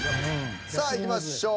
さあいきましょう。